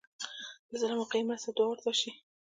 د ظالم واقعي مرسته دعا ورته وشي.